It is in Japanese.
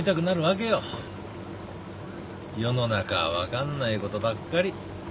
世の中分かんないことばっかり。